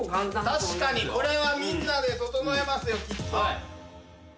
確かにこれはみんなでととのえますよきっと。